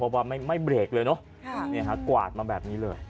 เพราะว่าไม่ไม่เบรกเลยเนาะเนี่ยฮะกวาดมาแบบนี้เลย